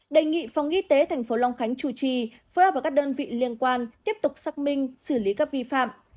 đề nghị phòng y tế tp hcm chủ trì phối hợp các đơn vị liên quan tiếp tục xác minh xử lý các vi phạm